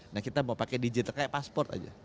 nah kita mau pakai digital kayak pasport aja